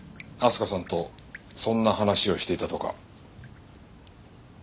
明日香さんとそんな話をしていたとか。